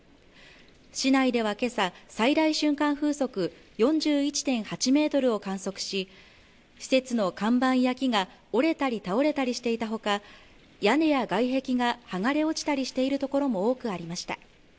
市内ではけさ最大瞬間風速４１．８メートルを観測し施設の看板や木が折れたり倒れたりしたほか屋根や外壁が剥がれ落ちたりしているところも多くありました